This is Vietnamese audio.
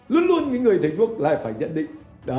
luôn luôn người thầy thuốc lại phải nhận định